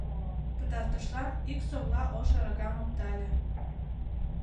Пытартышлан ик совла ош аракам оптале.